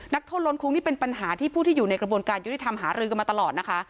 นักโทษล้นคุ้งนี่เป็นปัญหาที่ผู้ที่อยู่ในกระบวนการยุติธรรมหารือกันมาตลอดนะคะ